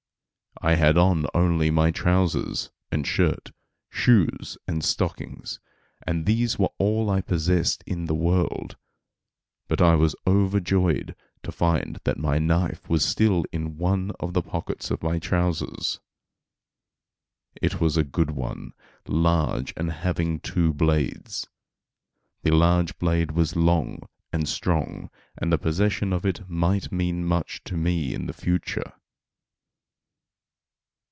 I had on only my trousers, and shirt, shoes and stockings; and these were all I possessed in the world, but I was overjoyed to find that my knife was still in one of the pockets of my trousers. It was a good one, large and having two blades. The large blade was long and strong, and the possession of it might mean much to me in the future.